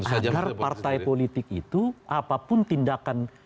agar partai politik itu apapun tindakan